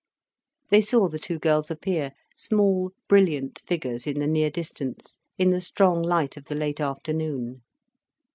They saw the two girls appear, small, brilliant figures in the near distance, in the strong light of the late afternoon.